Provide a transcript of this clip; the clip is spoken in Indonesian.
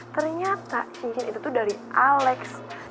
ternyata cincin itu tuh dari alex